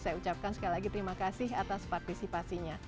saya ucapkan sekali lagi terima kasih atas partisipasinya